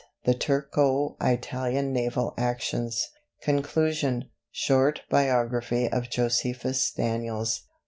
"The Turko Italian Naval Actions." Conclusion. "Short Biography of Josephus Daniels."